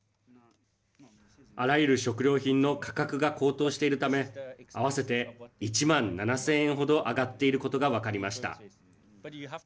あらゆる食料品の価格が高騰しているため合わせて１万７０００円ほど上がっていることが分かりました。